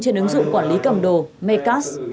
trên ứng dụng quản lý cầm đồ mecas